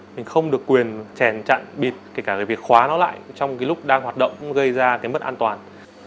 mình không được quyền chèn chặn bịt kể cả việc khóa nó lại trong lúc đang hoạt động gây ra mất an toàn